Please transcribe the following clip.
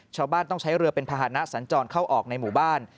ชาวบ้านต้องใช้เรือเป็นภาษณะสัญจรเข้าออกในหมู่บ้าน